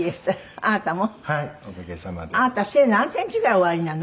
あなた背何センチぐらいおありなの？